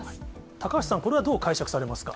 高橋さん、これはどう解釈されますか？